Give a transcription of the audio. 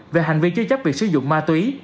về hành vi chứa chấp việc sử dụng ma túy